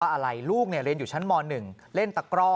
อะไรลูกเรียนอยู่ชั้นม๑เล่นตะกร่อ